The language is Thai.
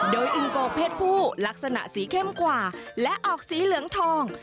โดยอิงโกเพศผู้ลักษณะสีเข้มกว่าและออกสีเหลืองทอง